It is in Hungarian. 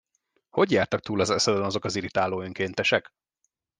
Hogy jártak túl az eszeden azok az irritáló önkéntesek?